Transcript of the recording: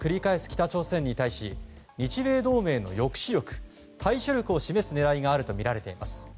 北朝鮮に対し日米同盟の抑止力対処力を示す狙いがあるとみられます。